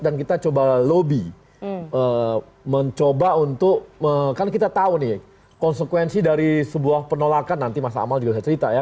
dan kita coba lobby mencoba untuk kan kita tahu nih konsekuensi dari sebuah penolakan nanti mas amal juga bisa cerita ya